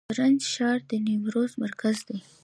د زرنج ښار د نیمروز مرکز دی